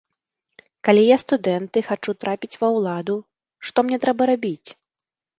Калі я студэнт і хачу трапіць ва ўладу, што мне трэба рабіць?